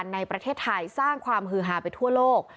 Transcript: ในประเทศไทยสร้างความฮือฮาไปทั่วโลก